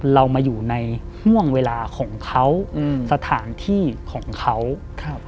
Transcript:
เรามาอยู่ในห่วงเวลาของเขาอืมสถานที่ของเขาครับ